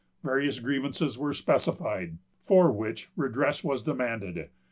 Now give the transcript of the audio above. Various grievances were specified, for which redress was demanded.